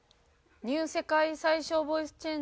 ＮＥＷ世界最小ボイスチェン